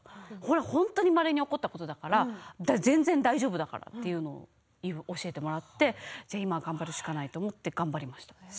本当にまれに起こったことだから全然大丈夫だからと教えてもらってじゃあ今、頑張るしかないと思って頑張りました。